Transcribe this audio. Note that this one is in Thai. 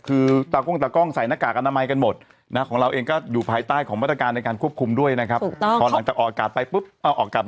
อืมโอเคนะครับเดี๋ยวพักกันสักครู่เดี๋ยวช่วงหน้ากลับมาครับ